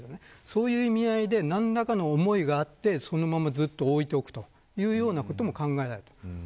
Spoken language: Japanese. そういう意味合いで何らかの思いがあってそのままずっと置いておくということも考えられます。